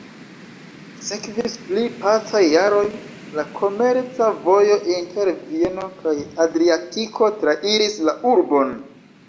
Sekvis pli pacaj jaroj, la komerca vojo inter Vieno kaj Adriatiko trairis la urbon.